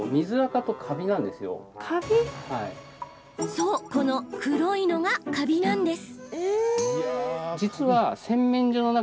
そう、この黒いのがカビなんです。